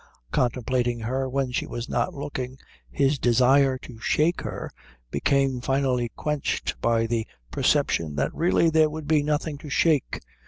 Contemplating her when she was not looking his desire to shake her became finally quenched by the perception that really there would be nothing to shake.